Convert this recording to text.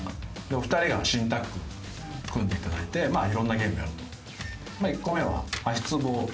お二人が新タッグ組んでいただいてまあいろんなゲームをやると。